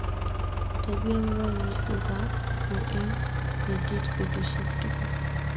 Tebye ngwony kukanyu eng ketit betusiek tugul